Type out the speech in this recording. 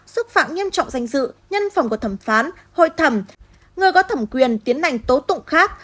xúc phạm nghiêm trọng danh dự nhân phẩm của thẩm phán hội thẩm người có thẩm quyền tiến hành tố tụng khác